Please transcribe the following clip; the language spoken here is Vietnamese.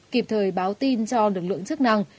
kịp thời báo tin cho lực lượng chức năng